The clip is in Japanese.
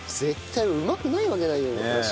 絶対うまくないわけないよ。